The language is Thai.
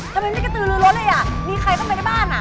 ทำไมไม่กระตือลือรถเลยอ่ะมีใครเข้าไปในบ้านอ่ะ